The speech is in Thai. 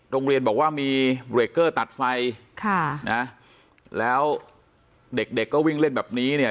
โรงเรียนบอกว่ามีเบรกเกอร์ตัดไฟค่ะนะแล้วเด็กเด็กก็วิ่งเล่นแบบนี้เนี่ย